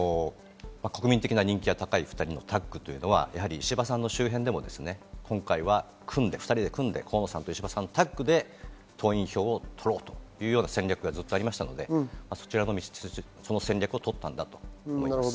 国民的な人気の高い２人のタッグは石破さんの周辺でも今回は２人で組んでタッグで党員票を取ろうという戦略がずっとありましたのでその戦略をとったんだと思います。